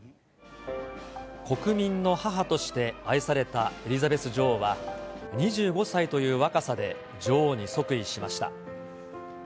国民の母として愛されたエリザベス女王は、２５歳という若さで女王に即位しました。